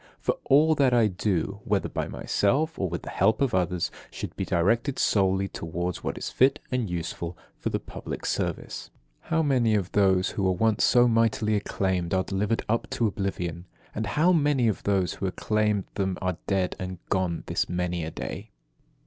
For all that I do, whether by myself or with the help of others, should be directed solely towards what is fit and useful for the public service. 6. How many of those who were once so mightily acclaimed are delivered up to oblivion! And how many of those who acclaimed them are dead and gone this many a day!